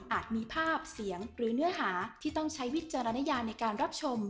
มีภาพเสียงหรือเนื้อหาที่ต้องใช้วิจารณญาในการรับชม